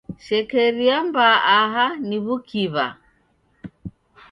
Shekeria mbaa aha ni w'ukiw'a.